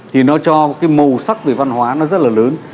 thì nó cho cái màu sắc về văn hóa nó rất là lớn